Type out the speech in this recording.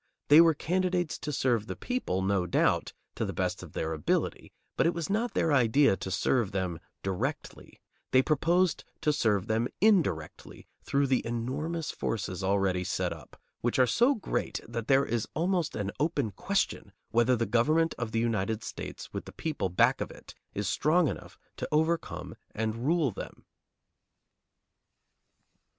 They were candidates to serve the people, no doubt, to the best of their ability, but it was not their idea to serve them directly; they proposed to serve them indirectly through the enormous forces already set up, which are so great that there is almost an open question whether the government of the United States with the people back of it is strong enough to overcome and rule them.